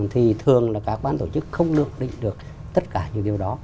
thì thường là các bán tổ chức không được định được tất cả những điều đó